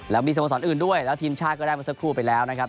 แล้วมีสโมสรอื่นด้วยแล้วทีมชาติก็ได้เมื่อสักครู่ไปแล้วนะครับ